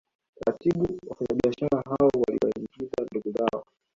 Taratibu wafanyabiashara hao waliwaingiza ndugu zao